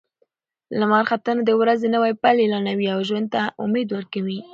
لمر ختنه د ورځې نوی پیل اعلانوي او ژوند ته امید ورکوي.